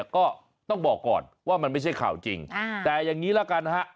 ก็ต้องบอกก่อนว่ามันไม่ใช่ข่าวจริงแต่อย่างนี้ละกันฮะ